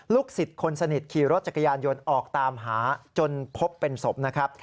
สิทธิ์คนสนิทขี่รถจักรยานยนต์ออกตามหาจนพบเป็นศพนะครับ